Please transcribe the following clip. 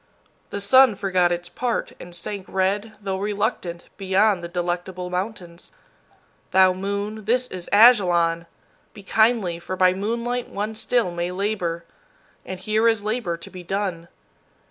The sun forgot its part, and sank red, though reluctant, beyond the Delectable Mountains. Thou moon, this is Ajalon! Be kindly, for by moonlight one still may labor, and here is labor to be done.